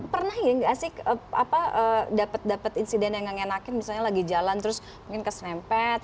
pernah nggak sih dapat dapat insiden yang ngenakin misalnya lagi jalan terus mungkin keserempet